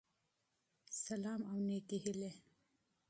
سلام او نيکي هیلی